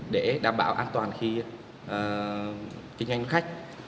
để đảm bảo an toàn khi kinh doanh khách